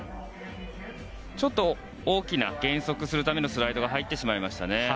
ちょっと大きな減速するためのスライドが入ってしまいましたね。